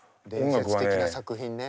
伝説的な作品ね。